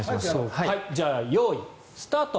じゃあ、用意スタート。